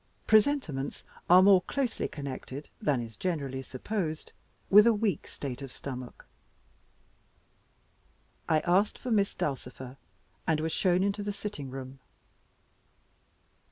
Presentiments are more closely connected than is generally supposed with a weak state of stomach. I asked for Miss Dulcifer, and was shown into the sitting room.